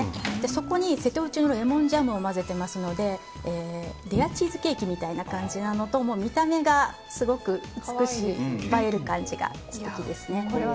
そこに瀬戸内のレモンジャムを混ぜていますのでレアチーズケーキみたいな感じなのと見た目がすごく美しい映える感じが素敵です。